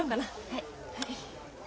はい。